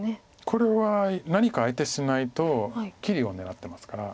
これは何か相手しないと切りを狙ってますから。